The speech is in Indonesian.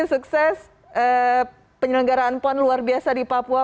sukses penyelenggaraan pon luar biasa di papua